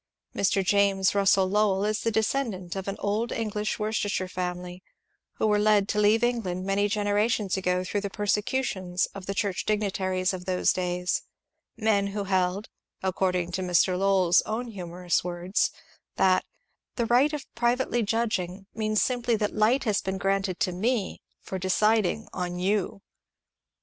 Mr. James Russell Lowell is the descendant of an old English Worcestershire family, who were led to leave England many generations ago through the persecutions of the church dignitaries of those days ; men who held (according to Mr. Lowell's own humorous words) that — The right Of privately judging means simply that light lias been granted to me, for deciding on you.